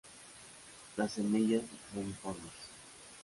Las semillas reniformes.